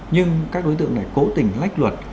nhưng các đối tượng này cố tình lách luật